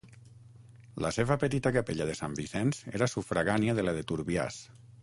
La seva petita capella de Sant Vicenç era sufragània de la de Turbiàs.